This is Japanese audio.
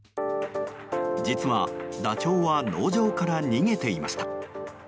実は、ダチョウは農場から逃げていました。